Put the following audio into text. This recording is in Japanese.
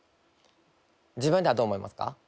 自分ではどう思いますか？